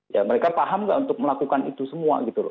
ya mereka paham nggak untuk melakukan itu semua gitu loh